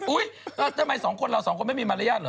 ทำไมสองคนเราสองคนไม่มีมารยาทเหรอ